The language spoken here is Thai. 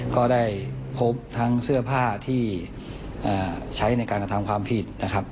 ก็ได้พบทั้งเสื้อผ้าที่ใช้ในการกระทำความผิดนะครับ